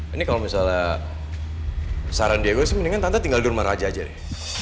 ini kalau misalnya saran diego sih mendingan tante tinggal di rumah raja aja nih